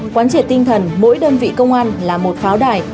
quán triệt tinh thần mỗi đơn vị công an là một pháo đài